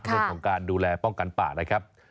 เรื่องของการดูแลป้องกันป่านะครับ